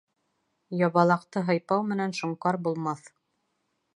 Ябалаҡты һыйпау менән шоңҡар булмаҫ.